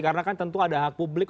karena kan tentu ada hak publik